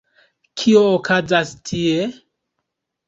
Kio okazas tie?